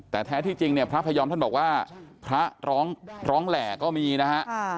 แต่แท้ที่จริงเนี่ยพระพยอมท่านบอกว่าพระร้องแหล่ก็มีนะฮะ